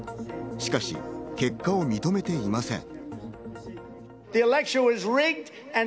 しかし、結果を認めていません。